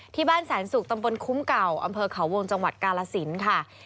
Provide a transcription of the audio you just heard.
ที่บ้านแสนสุกตำบลคุ้มเก่าอำเภอเขาวงจังหวัดกาลสินค่ะ